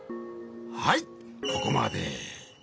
はいここまで。